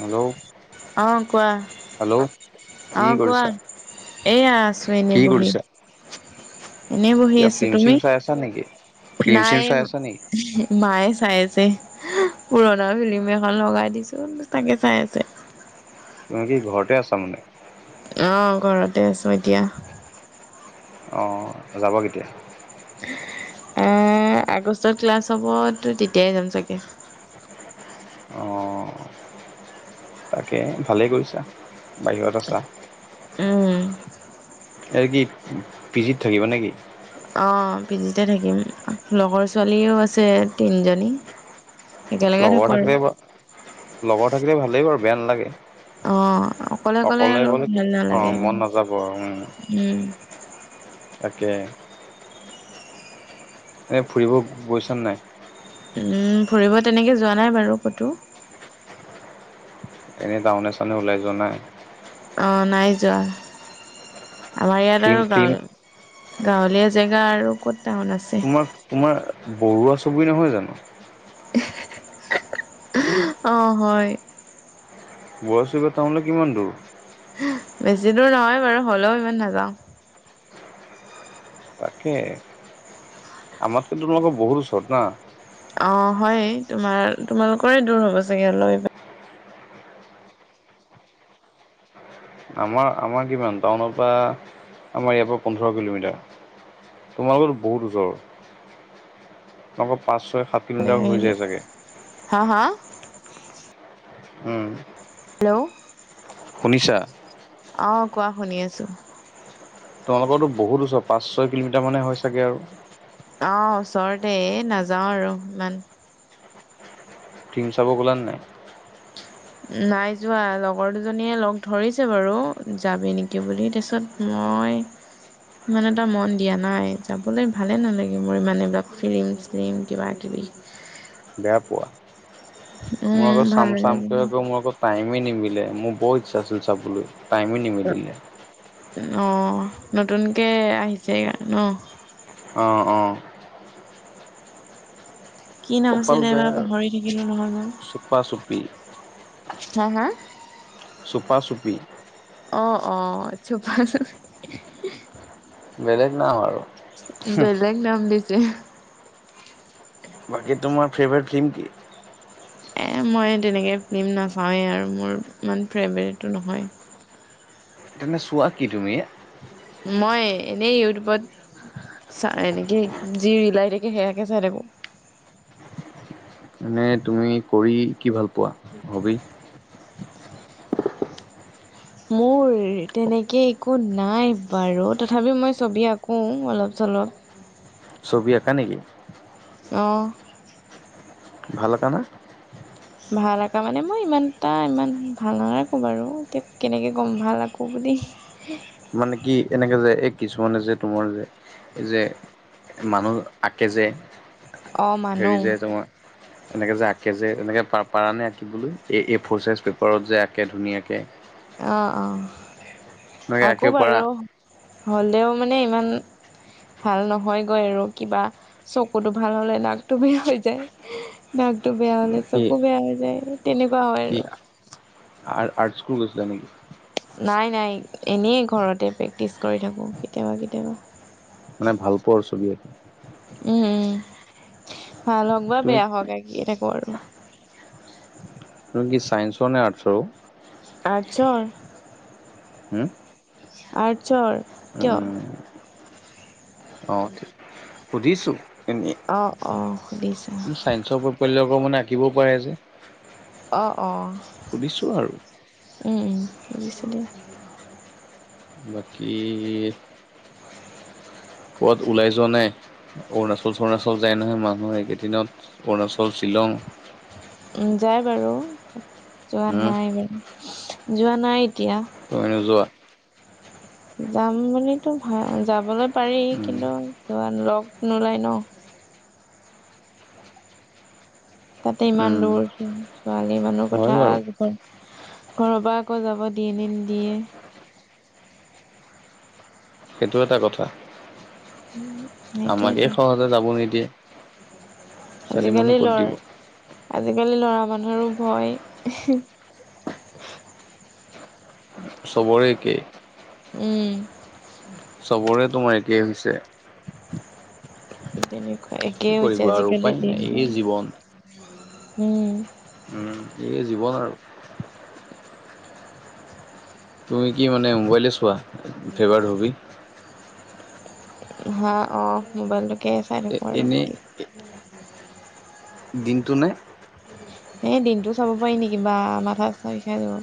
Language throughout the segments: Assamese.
হেল্ল' অ' কোৱা। হেল্ল' কি অ' কোৱা। কৰিছা? এয়া আছোঁ কি এনেই বহি। কৰিছা? এনেই বহি কিবা আছোঁ, ফিল্ম চিম তুমি? চাই আছা নেকি? ফিল্ম চিম নাইম চাই আছা নেকি? মায়ে চাই আছে, পুৰণা ফিলিম। [unintelligible] লগাই দিছোঁ তাকে চাই আছে। তুমি কি ঘৰতে আছা মানে। অ' ঘৰতে আছোঁ এতিয়া। অ' যাবা কেতিয়া? এ, আগষ্টত ক্লাছ হ'ব, ত' তেতিয়াই যাম চাগে। অঁ তাকে ভালে কৰিছা, বাহিৰত আছা। উম। একি পিজিত থাকিবা নেকি? অ' পিজিতে থাকিম। লগৰ ছোৱালীও আছে তিনজনী। লগৰ থাকিল বা, লগৰ থাকিলে ভালে বাৰু বেয়া নালাগে। অ অকলে আৰু গ'লে, ভাল অঁ নালাগে মন নাযাব আৰু, উম। উম তাকে। এনে ফুৰিব গৈছা নে নাই? উম, ফুৰিব তেনেকে যোৱা নাই বাৰু ক'তো। এনে টাউনে চাউনে ওলাই যোৱা নাই? অঁ, নাই যোৱা। আমাৰ ইয়াত ফিল্ম আৰু ফিল্ম গাঁৱ গাঁৱলীয়া জেগা আৰু ক'ত টাউন আছে। তোমাক তোমাৰ বৰুৱা চুবুৰী নহয় জানো? অঁ, হয়। বৰুৱা চুবুৰী টাউনলে কিমান দূৰ? বেছি দূৰ নহয় বাৰু, হ'লেও ইমান নাযাওঁ। তাকে, আমাতকে তোমালোকৰ বহুত ওচৰত না? অঁ, হয়। তোমাৰ তোমালোকৰে দূৰ হ'ব চাগে অলপ ইয়াৰ পৰা। আমাৰ আমাৰ কিমান টাউনৰ পৰা আমাৰ ইয়াৰ পৰা পোন্ধৰ কিলোমিটাৰ। তোমালোকৰতো বহুত ওচৰ। তোমালোকৰ পাঁচ, ছয়, সাত কিলোমিটাৰ হৈ আহিলে যায় চাগে। হা, হা? উম। হেল্ল'! শুনিছা? অঁ কোৱা শুনি আছো। তোমালোকৰতো বহুত ওচৰ। পাঁচ, ছয় কিলোমিটাৰ মানে হৈ চাগে আৰু? অঁ, ওচৰতে এই নাযাওঁ আৰু ইমান। ফিল্ম চাব গ'লা নে নাই? নাই যোৱা। লগৰ দুজনীয়ে লগ ধৰিছে বাৰু যাবি নেকি বুলি তাৰপিছত মই ইমান এটা মন দিয়া নাই। যাবলৈ ভালেই নালাগে মোৰ ইমান এইবিলাক ফিল্ম চিলিম কিবা কিবি। বেয়া পোৱা? মই উম, আকৌ ভাল চাম চামকে আক' নালাগে মোৰ আকৌ টাইমেই নিমিলে মোৰ বৰ ইচ্ছা আছিল চাবলৈ টাইমেই নিমিলিলে। অঁ নতুনকৈ আহিছে এইকাৰণে ন? অঁ অঁ। কি নাম কপাল আছিলে এইবাৰ বেয়া আৰু পাহৰি থাকিলো নহয় মই। চুপা চুপি হা হা? চুপা চুপি। অঁ অঁ, চুপা চুপি। বেলেগ নাম আৰু। বেলেগ নাম দিছে। বাকী তোমাৰ ফেভৰেট ফিল্ম কি? এ মই তেনেকৈ ফিল্ম নাচাওঁৱেই আৰু মোৰ ইমান ফেভৰেটো নহয়। তেন্তে চোৱা কি তুমি? মই এনেই ইউটিউবত চা এনেকৈ যি ৰিল‌ আহে থাকে সেয়াকে চাই থাকো। এনে তুমি কৰি কি ভাল পোৱা? হবি [inaudible] [inaudible] মোৰ তেনেকে একো নাই বাৰু তথাপিও মই ছবি আকোঁ অলপ চলপ। ছবি আঁকা নেকি? অহ। ভাল আঁকা নে? ভাল আঁকা মানে মই ইমান এটা ইমান ভাল নাআকোঁ বাৰু এতিয়া কেনেকৈ গ'ম ভাল আঁকো বুলি। [unintelligible] মানে কি এনেকে যে এই কিছুমানে যে তোমাৰ যে এই যে মানুহ আঁকে যে অ মানো হেৰি যে তোমাৰ এনেকৈ যে আঁকে যে এনেকৈ পাৰ নে আঁকিবলৈ? এ এ ফ'ৰ চাইজ পেপাৰত যে আঁকে ধুনীয়াকৈ। অ অ এনেকে আঁক আঁকিব পাৰা? বাৰু হ'লেও মানে ইমান ভাল নহয়গৈ আৰু কিবা চকুটো ভাল হ'লে নাকটু বেয়া হৈ যায়। নাকতো বেয়া হ'লে কি চকু বেয়া হৈ যায় তেনেকুৱা হয় আৰু। আ-আৰ্ট স্কুল গৈছিলা নেকি? নাই নাই এনেই ঘৰতে প্ৰেক্টিচ কৰি থাকোঁ কেতিয়াবা কেতিয়াবা। মানে ভাল পোৱা আৰু ছবি আঁকি। উম উম ভাল হওক বা তুমি বেয়া হওক আঁকিয়ে থাকো আৰু। তুমি কি চাইন্সঅৰ নে আৰ্টছৰ অ? আৰ্টছৰ। হম? আৰ্টছৰ কিয়? [unintelligible] সুধিছোঁ এনেই। অ অ সুধিছা। চায়েঞ্চৰ প্ৰকৈলবোৰ মানে আঁকিব পাৰে যে। অ অ। সুধিছোঁ আৰু। অ শুনিছো দিয়া। বাকী ক'ত ওলাই যোৱা নাই? অৰুণাচল-চৰুণাচল যায় নহয় মানুহ এইকেইদিনত অৰুণাচল, শ্বিলং, উ যাই বাৰু, যোৱা উম নাই বাৰু, যোৱা নাই এতিয়া। তুমি নোযোৱা? যাম বুলিতো ভা যাবলৈ পাৰি উম কিন্তু যোৱা লগ নোলায় ন। তাতে ইমান উম দূৰ ছোৱালী মানুহ হয় কথা বাৰু [unintelligible] ঘৰৰ পৰা আকৌ যাব দিয়ে নে নিদিয়ে। সেইটো এটা কথা, আমাকেই সেইটোৱেতো সহজে যাব নিদিয়ে। ছোৱালী মানুহ আজিকালি ক'ত লৰ দিব আজিকালি ল'ৰা মানুহৰো ভয়। চবোৰে একে। উম। চবোৰে তোমাৰ একেই হৈছে। তেনেকুৱা কি একেই হৈছে কৰিবা আৰু উপায় আজিকালিৰ নাই দিন এই জীৱন কাল উম। এইটোৱে জীৱন আৰু। তুমি কি মানে মোবাইলে চোৱা? ফেভাৰ হবি হা অ মোবাইলটোকে তেনেকুৱাই এনে নেকি? দিনটো নে? এই দিনটো চাব পাৰি নেকি? বা! মাথা-চাথা বিখাই যাব।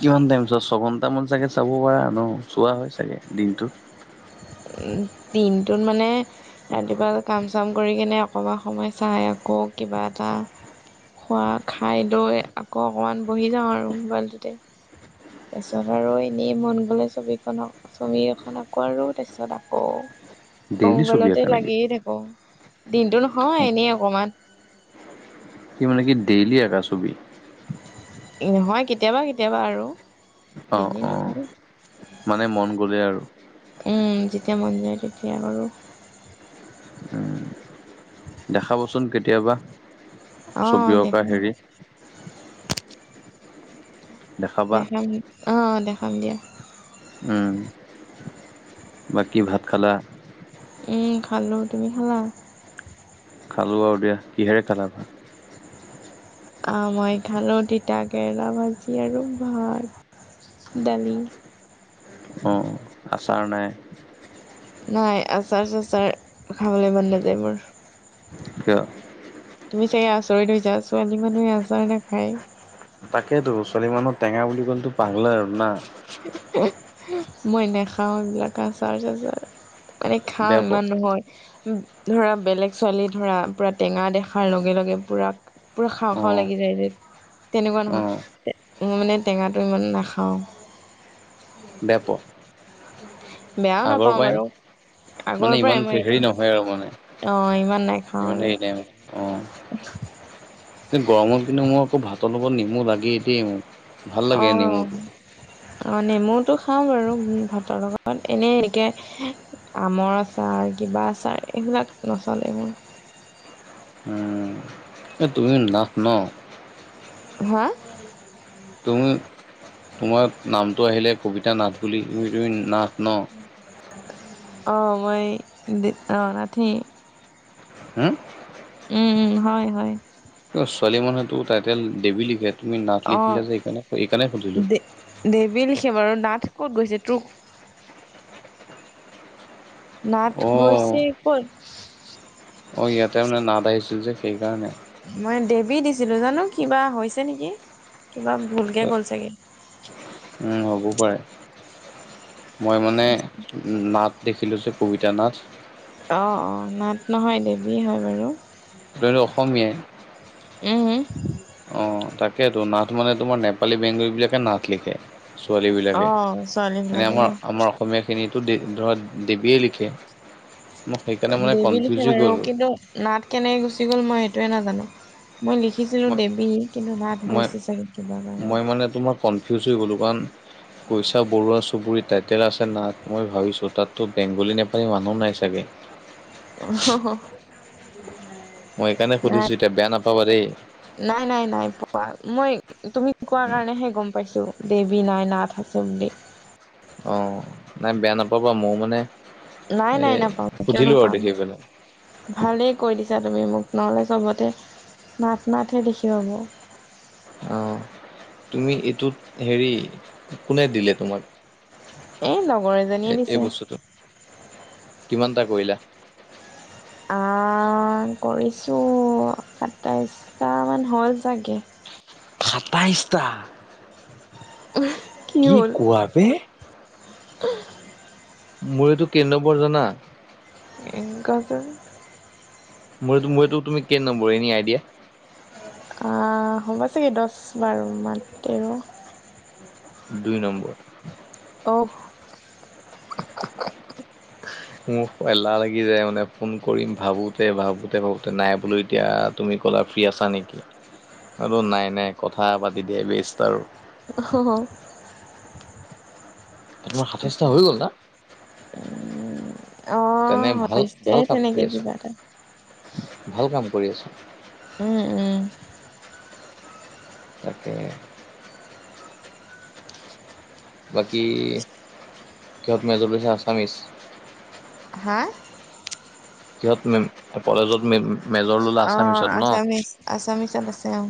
কিমান টাইম চোৱা? ছযঘন্টামান চাগে চাব পাৰা ন? চোৱা হয় চাগে দিনটো। দিনটোত মানে ৰাতিপুৱা কাম-চাম কৰি কিনে অকমান সময় চাই আকৌ কিবা এটা খোৱা, খাই লৈ আকৌ অকণমান বহি যাওঁ আৰু মোবাইলটোতে। তাছত আৰু এনেই মন গ'লে ছবিখনক ছবি এখন আকোঁ আৰু তাৰছত আকৌ, আকৌ ডেইলি ছবি মোবাইলতে আঁকা নেকি লাগিয়ে থাক- কো, দিনটো নহয় এনেই অকমান। তুমি মানে কি ডেইলি আকা ছবি? নহয় কেতিয়াবা-কেতিয়াবা আৰু, অ ডেইলি অ নাকো। মানে মন গ'লে আৰু। উম্ যেতিয়া মন যায় তেতিয়া কৰো। উম দেখাবচোন কেতিয়াবা। অ ছবি অঁকা দেখাম হেৰি দেখাবা দেখাম, অ দেখাম দিয়া। উম্ বাকী ভাত খালা? উম খালোঁ, তুমি খালা? খালোঁ আৰু দিয়া- কিহেৰে খালা ভাত? মই খালোঁ তিতা কেৰেলা ভাজি আৰু ভাত, দালি। অঁ। আচাৰ নাই? নাই আচাৰ-চাচাৰ, খাবলে মন নাযায় মোৰ। কিয়? তুমি চাগে আচৰিত হৈছা? ছোৱালী মানুহে আচাৰ নাখায়! তাকেতু, ছোৱালী মানুৰ টেঙা বুলি ক'লেতো পাগলা আৰু না? মই নেখাও এইবিলাক আচাৰ-চাচাৰ। মানে খাওঁ বেয়া পোৱা ইমান নহয়। ধৰা বেলেগ ছোৱালী ধৰা পূৰা টেঙা দেখাৰ লগে লগে পূৰা পুৰা খাওঁ অ খাওঁ লাগি যায় যে, তেনেকুৱা অ নহয়। ম‌ই মানে টেঙাটো ইমান নাখাওঁ। বেয়া পোৱা? বেয়া আগৰ পৰাই নে? মানে ইমান মই হেৰি নহয় আৰু মানে? অ ইমান নাখাওঁ ইমান আৰু হেৰি নাই মানে, অঁ গৰমত কিন্তু মোৰ আকৌ ভাতৰ লগত নেমু লাগেই দেই মোৰ। অ' অ' নেমুটো খাওঁ বাৰু ভাতৰ লগত, এনেই এতিয়া আমৰ আচাৰ, কিবা আচাৰ এইবিলাক নচলে এই মোৰ। উম, এ তুমি নাভ ন? হা? তুমি, তোমাৰ নামটো আহিলে কবিতা নাথ বুলি তুমি তুমি নাথ ন? অ মই দি অ নাথেই। হুম, উম উম হয় হয়। এ ছোৱালী মানুহেটো টাইটেল দেৱী লিখে তুমি নাথ লিখিলা অ', যে এইকাণে-এইকাণে সুধিলো। দে দেৱী লিখে বাৰু নাথ ক'ত গৈছে তোক নাথ অ', গৈছে ক'ত? অ', ইয়াতে মানে নাথ আহিছিল যে সেইকাৰণে। মই দেৱী দিছিলোঁ জানো কিবা হৈছে নেকি কিবা ভুল কে গ'ল চাগে। ওম হ'বও পাৰে মই মানে নাথ দেখিলোঁ যে কবিতা নাথ। অঁ', অঁ', নাথ নহয় দেৱী হয় বাৰু। তুমিতো অসমীয়াই? উম। অ', তাকেইেতো নাথ মানে তোমাৰ নেপালী বেংগলী বিলাকে নাথ লিখে। ছোৱালীবিলাকে অ', ছোৱালী এনে বিলাকে আমাৰ ন আমাৰ অসমীয়াখিনিতো দে ধৰা দেৱীয়ে লিখে। মই সেইকাৰণে মানে দেৱী কনফিউজ লিখে হৈ বাৰু গ'লো কিন্তু নাথ কেনেকৈ গুচি গ'ল মই সেইটোৱে নাজানোঁ মই লিখিছিলোঁ মই দেৱী। নাথ মই গৈছে চাগে কিবা মই কাৰণত। মানে তোমাৰ কনফিউজ হৈ গ'লোঁ কাৰণ কৈছা বৰুৱা চুবুৰীৰ টাইটেল আছে নাথ মই ভাবিছোঁ তাততো বেংগলী নেপালী মানুহ নাই চাগে। আহ। মই সেইণকাৰণে সুধিছোঁ এতিয়া বেয়া নাপাবা দেই। নাই নাই নাই পোৱা মই তুমি কোৱা কাৰণেহে গম পাইছোঁ দেৱী নাই নাথ আছে বুলি। অঁ', নাই বেয়া নাপাবা মইয়ো মানে নাই নাই এই নাপাম কিয় সুধিলোঁ আৰু নাপাম দেখি পেলাই। ভালেই কৈ দিছা তুমি মোক নহ'লে চবতে নাথ নাথেই দেখি পাব। আহঁ। তুমি এইটোত হেৰি কোনে দিলে তোমাক? এই লগৰ এজনীয়ে এ এই দিছে। বছৰটোত কিমানটা কৰিলা? আহ কৰিছোঁ সাতাইছটামান হ'ল চাগে। সাতাইছটা। উম। কি কোৱা বে [inaudible] মোৰ এইটো কেই নম্বৰ জানা? ওম কোৱাচোন? মোৰ এইটো মোৰ এইটো তুমি কেই নম্বৰ এনেই আইদিয়া। অ', হ'ব চাগে দহ বাৰ মান তেৰ। দুই নম্বৰ। অ' [unintelligible] মোৰ এলাহ লাগি যায় মানে ফোন কৰিম ভাবোঁতে ভাবোঁতে ভাবোঁতে নাই বোলো এতিয়া তুমি ক'লা ফ্ৰী আছা নেকি? আৰু নাই নাই কথা পাতি দিয়া বেষ্ট আৰু। তোমাৰ সাতাইছটা হৈ গ'ল [unintelligible] না? তেনে অ', ভাল হৈছে ভাল কাম কৰি তেনেকে আছোঁ, কিবা এটা। ভাল কাম কৰি আছা। উম, উম। তাকে। বাকী কিহত মেজৰ লৈছা আছামিছ? হা? কিহঁত মে কলেজতে মেজৰ ল'লা অ আছামিছত ন'? আছামিচ আছামিচত আছে অঁ।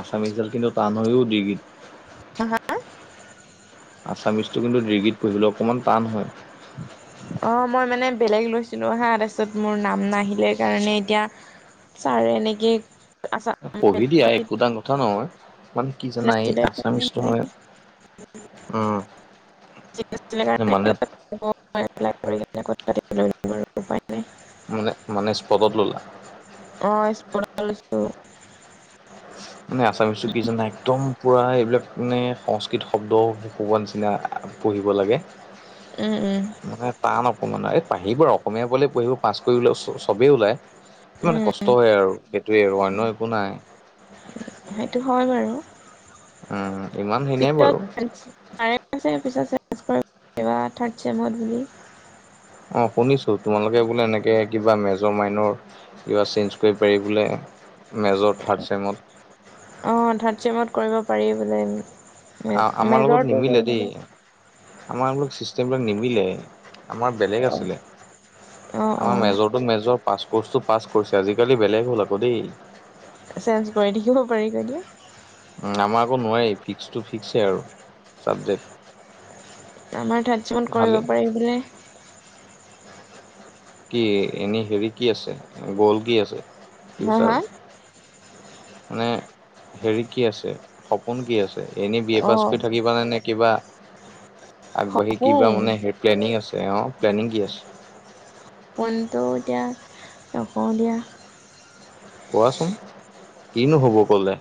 আছামিছ ডাল কিন্তু টান হৈয় ঔ ডিগৰিট। হা হা? আছামিচটো কিন্তু ডিগীত পঢ়িবলে অকণমান টান হয়। অঁ', মই মানে বেলেগ লৈছিলোঁ হাঁ, তাৰপছত মোৰ নাম নাহিলে কাৰণে এতিয়া ছাৰে এনেকেই আছাম। এটা কথা নহয়। মানে কি জানা এই [unintelligible] আছামিচটো মানে [unintelligible] উম দিব মানে ৰু উপায় নাই। মানে মানে স্পটত ল'লা? অঁ, স্পতত লৈছো। মানে আচামিছো টো টিচন নাই একদম পূৰা এইবিলাক মানে সংস্কৃত শব্দ কোৱা নিচিনা পঢ়িব লাগে। উম, উম, মানে টান অকমান, এই পৰিব অসমীয়া বলে পঢ়িব পাছ কৰিবলৈ চবেই ওলায়। কি মানে উম কষ্ট হয় আৰু সেইটোৱে আৰু অন্য একো নাই। সেইটো হয় বাৰু। উম, ইমান হেৰি নাই বাৰু। চাৰে চাগে পিছত চেঞ্জ কৰিব থাৰ্ড চেমত বুলি। অ', শুনিছো তোমালোকে বোলে এনেকে কিবা মেজৰ মাইনৰ কিবা চেঞ্জ কৰি পাৰি বোলে মেজৰ থাৰ্ড চেমত। অঁ', থাৰ্ড চেমত কৰিব পাৰি বোলে। অ', আমাৰ লগত মেজৰটো নিমিলে কৰিম দেই। আমাৰ অলপ চিষ্টেম বিলাক নিমিলে। আমাৰ বেলেগ আছিলে অ অ আমাৰ মেজ মেজৰ টো মেজৰ। পাছ ক'ৰ্চটো পাছ ক'ৰছ আজিকালি বেলেগ হ'ল আকৌ দেই। চেঞ্জ কৰি থাকিব পাৰি ন' এতিয়া। ওম, আমাৰ আকো নোৱাৰি ফিক্সটো ফিক্সেই আৰু চাবজেক্ট। আমাৰ থাৰ্ড চমত কৰিব ভালে পাৰি বোলে। কি এনেই হেৰি কি আছে, গ'ল কি আছে? হা ফিউচাৰ হা? মানে হেৰি কি আছে সপোন কি আছে এনেই বি এ অ পাছ কৰি থাকিবানে নে কিবা আগবাঢ়ি কিবা সপোন মানে হেৰি প্লেনিং আছে অঁ', প্লেনিং কি আছে? পোনটো এতিয়া নকওঁ দিয়া। কোৱাচোন কিনো হ'ব ক'লে?